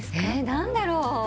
何だろう？